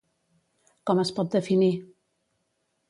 Com es pot definir?